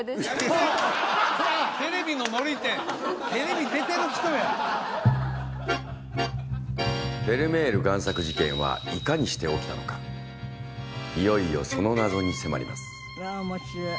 テレビのノリってテレビ出てる人やフェルメール贋作事件はいかにして起きたのかいよいよその謎に迫ります